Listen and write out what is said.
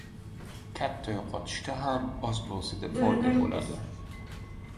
• Katta yo‘qotishda ham oz bo‘lsa-da foyda bo‘ladi.